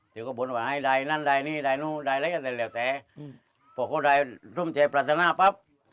เขาก็บุญไว้ให้ได้นั่นนี่นั่นศักดิ์หนีมระดับ